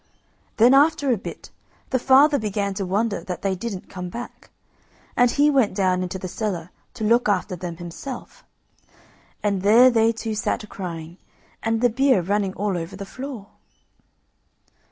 Then after a bit the father began to wonder that they didn't come back, and he went down into the cellar to look after them himself, and there they two sat a crying, and the beer running all over the floor.